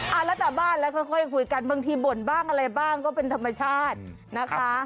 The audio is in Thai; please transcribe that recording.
เอาแล้วแต่บ้านแล้วค่อยคุยกันบางทีบ่นบ้างอะไรบ้างก็เป็นธรรมชาตินะคะ